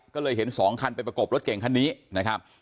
ก็เลยเห็น๒คันไปประกบรถเก่งคันนี้นะครับ